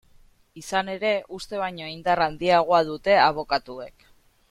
Izan ere, uste baino indar handiagoa dute abokatuek.